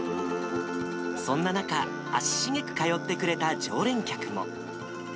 そんな中、足しげく通ってくれた常連客も。